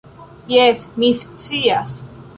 Jes, mi scias